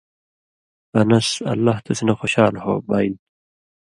انَس (اللہ تسی نہ خوشال ہو) بانیۡ تُھو